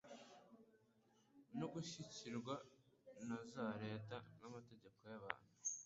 no gushyigikirwa na za Leta n'amategeko y'abantu,